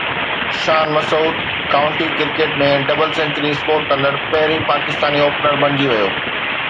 شان Masood county cricket ۾ double century score ڪندڙ پهريون پاڪستاني اوپنر بڻجي ويو